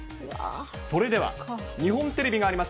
それでは、日本テレビがあります